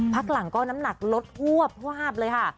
พักหลังก็น้ำหนักลดฮวบวาบเลยค่ะ